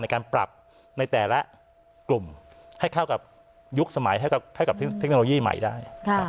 ในการปรับในแต่ละกลุ่มให้เข้ากับยุคสมัยให้กับเทคโนโลยีใหม่ได้